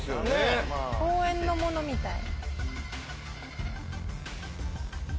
公園のものみたい。